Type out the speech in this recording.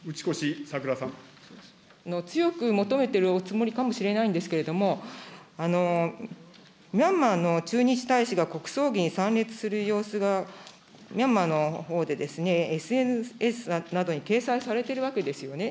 強く求めているおつもりかもしれないんですけれども、ミャンマーの駐日大使が国葬儀に参列する様子がミャンマーのほうでＳＮＳなどに掲載されているわけですよね。